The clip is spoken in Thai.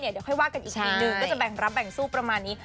เดี๋ยวค่อยว่ากันอีกทีนึงก็จะแบ่งรับแบ่งสู้ประมาณนี้